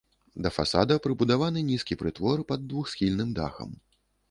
Да фасада прыбудаваны нізкі прытвор пад двухсхільным дахам.